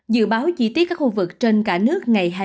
dự báo chi tiết các khu vực trên cả nước ngày hai mươi